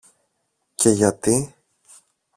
Και γιατί;